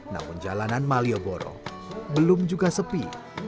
namun jalanan malioboro belum juga sepi